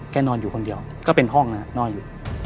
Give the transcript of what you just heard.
นอนอยู่คนเดียวก็เป็นห้องนอนอยู่